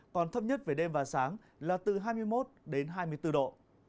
còn thấp nhất về đêm và sáng là từ hai mươi một ba mươi một độ